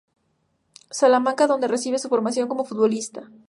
Salamanca, donde recibe su formación como futbolista.